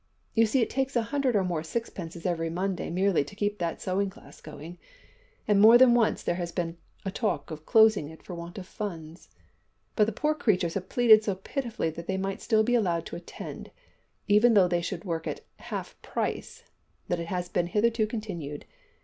You see it takes a hundred or more sixpences every Monday merely to keep that sewing class going, and more than once there has been a talk of closing it for want of funds, but the poor creatures have pleaded so pitifully that they might still be allowed to attend, even though they should work at half price, that it has been hitherto continued.